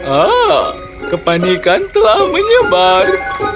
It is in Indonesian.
ah kepanikan telah menyebar